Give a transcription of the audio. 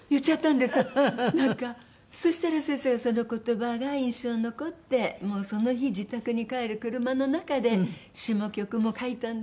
そしたら先生がその言葉が印象に残って「もうその日自宅に帰る車の中で詞も曲も書いたんだよ